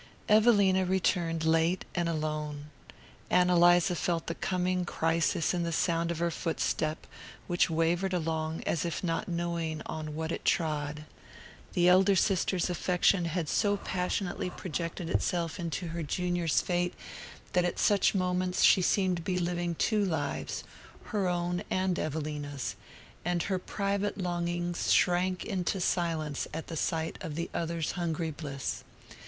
Evelina returned late and alone. Ann Eliza felt the coming crisis in the sound of her footstep, which wavered along as if not knowing on what it trod. The elder sister's affection had so passionately projected itself into her junior's fate that at such moments she seemed to be living two lives, her own and Evelina's; and her private longings shrank into silence at the sight of the other's hungry bliss.